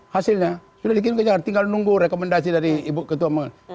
hasilnya sudah dikirim kejar tinggal nunggu rekomendasi dari ibu ketua